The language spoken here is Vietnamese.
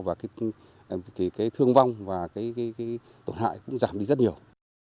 và cái thương vong và cái tổn hại cũng giảm đi rất nhiều